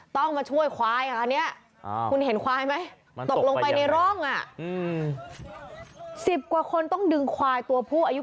ต้องมาช่วยควายอ่ะอ้าวคุณเห็นควายมั้ย